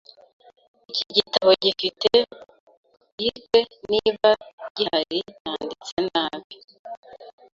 Iki gitabo gifite bike, niba gihari, cyanditse nabi.